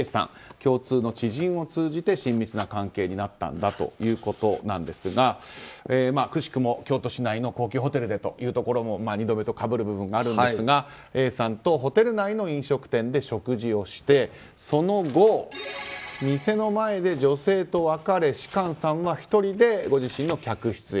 共通の知人を通じて親密な関係になったんだということですがくしくも京都市内の高級ホテルでというところも２度目とかぶる部分があるんですがＡさんとホテル内の飲食店で食事をして、その後、店の前で女性と別れ、芝翫さんは１人でご自身の客室へ。